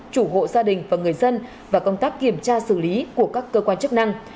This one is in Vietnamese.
chủ hộ gia đình và người dân và công tác kiểm tra xử lý của các cơ quan chức năng